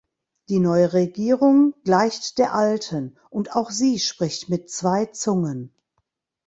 Die neue Regierung gleicht der alten, und auch sie spricht mit zwei Zungen.